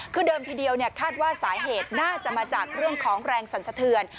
คือเดิมทีเดียวคาดว่าสาเหตุน่าจะมาจากเรื่องของแรงสั่นสะเทือน